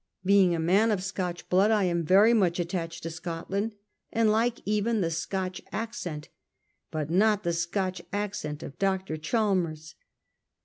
Being a man of Scotch blood, I am very much attached to Scotland, and like even the Scotch accent ; but not the Scotch accent of Dr. Chalmers.